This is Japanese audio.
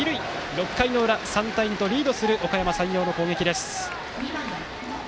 ６回の裏、３対２とリードするおかやま山陽の攻撃です。